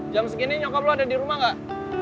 jam segini nyokap lo ada di rumah nggak